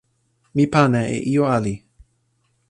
mi pana e ijo ali.